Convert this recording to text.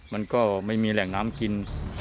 มันก็ไม่มีแหล่งน้ำกิน